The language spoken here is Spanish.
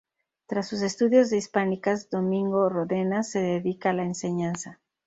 Tras sus estudios de hispánicas, Domingo Ródenas se dedica a la enseñanza.